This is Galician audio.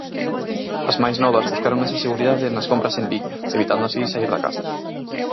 As máis novas buscaron esa seguridade nas compras en liña, evitando así saír da casa.